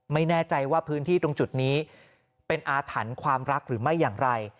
ไม่แน่ใจว่าพื้นที่ตรงจุดนี้เป็นอาถรรพ์ความรักหรือไม่อย่างไร